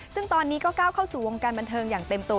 ซึ่งตอนนี้ก็ก้าวเข้าสู่วงการบันเทิงอย่างเต็มตัว